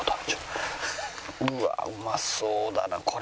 うわあうまそうだなこれ。